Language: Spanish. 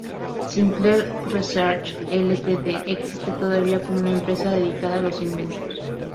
Sinclair Research Ltd existe todavía como una empresa dedicada a los inventos.